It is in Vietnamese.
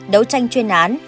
đấu tranh chuyên án